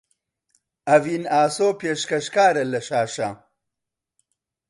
ئەڤین ئاسۆ پێشکەشکارە لە شاشە